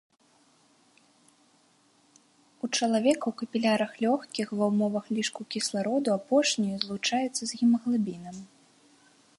У чалавека ў капілярах лёгкіх ва ўмовах лішку кіслароду апошні злучаецца з гемаглабінам.